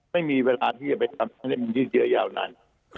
ไม่มีเวลาที่จะไปทำให้มีที่เจียวยาวนาน